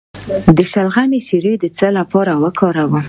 د شلغم شیره د څه لپاره وکاروم؟